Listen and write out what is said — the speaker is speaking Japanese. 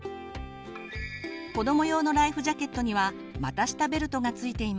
子ども用のライフジャケットには股下ベルトが付いています。